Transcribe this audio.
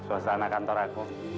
suasana kantor aku